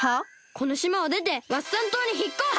このしまをでてワッサン島にひっこす！